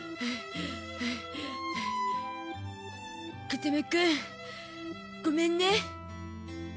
風間くんごめんね。